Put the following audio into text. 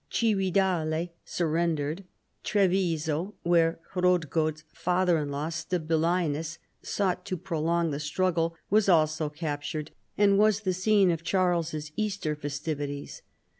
Cividale surrendered. Treviso, where Hrodgaud's father in law, Stabilinus, sought to prolong the struggle, was also captured and was the scene of Charles's Easter festivities.